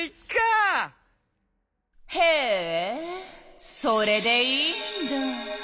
へえそれでいいんだ。